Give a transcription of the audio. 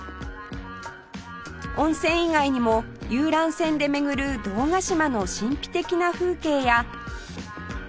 温泉以外にも遊覧船で巡る堂ヶ島の神秘的な風景や